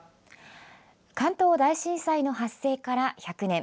関東大震災の発生から１００年。